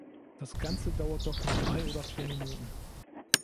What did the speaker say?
Das ganze dauert doch nur drei oder vier Minuten!